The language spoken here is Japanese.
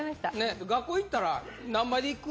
学校行ったら。